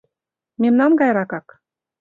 — Мемнан гайракак.